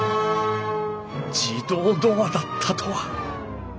自動ドアだったとは。